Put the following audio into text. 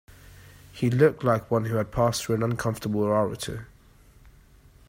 He looked like one who had passed through an uncomfortable hour or two.